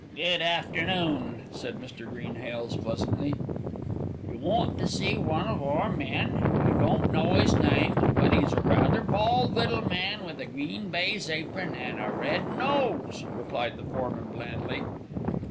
"Good afternoon," said Mr. Greenhales pleasantly. "You want to see one of our men; you don't know 'is name, but 'e's a rather bald little man, with a green baize apron an' a red nose?" replied the foreman blandly.